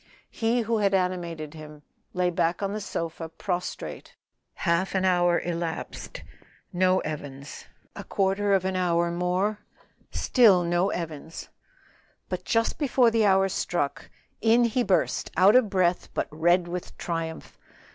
He who had animated him lay back on the sofa prostrated. Half an hour elapsed, no Evans; a quarter of an hour more, still no Evans; but just before the hour struck, in he burst out of breath but red with triumph.